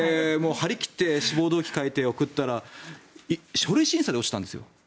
張り切って志望動機を書いて送ったら書類審査で落ちたんですよ。